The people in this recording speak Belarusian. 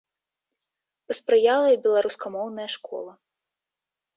Паспрыяла і беларускамоўная школа.